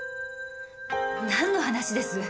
なんの話です？